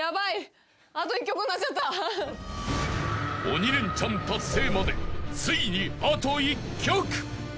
［鬼レンチャン達成までついにあと１曲］